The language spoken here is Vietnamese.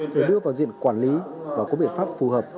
để đưa vào diện quản lý và có biện pháp phù hợp